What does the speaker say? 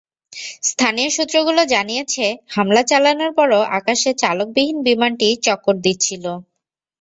স্থানীয় সূত্রগুলো জানিয়েছে, হামলা চালানোর পরও আকাশে চালকবিহীন বিমানটি চক্কর দিচ্ছিল।